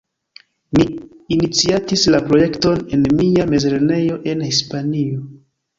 Mi iniciatis la projekton en mia mezlernejo en Hispanio.